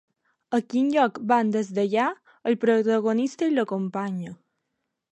A quin lloc van des d'allà, el protagonista i la companya?